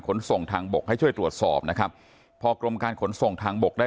ขนส่งทางบกให้ช่วยตรวจสอบนะครับพอกรมการขนส่งทางบกได้